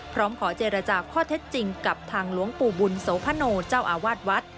พร้อมขอเจรจาข้อเท็จจริงกับทางหลวงปู่บุญโสพโนเจ้าอาวาสวัด